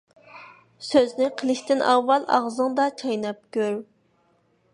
سۆزنى قىلىشتىن ئاۋۋال، ئاغزىڭدا چايناپ كۆر.